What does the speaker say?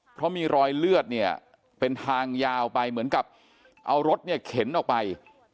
เพราะมีรอยเลือดเนี่ยเป็นทางยาวไปเหมือนกับเอารถเนี่ยเข็นออกไป